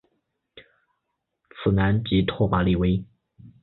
此男即拓跋力微。